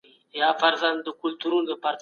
ایمان زموږ په ژوند کي برکت او الهي نصرت راولي.